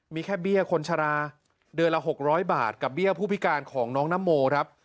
มีแค่เบี้ยคนชราเดือนละ๖๐๐บาทกับเบี้ยผู้พิการของน้องนโมครับ